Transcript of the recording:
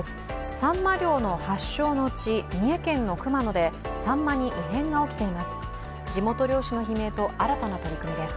さんま漁の発症の地・三重県の熊野でさんまに異変が起きています。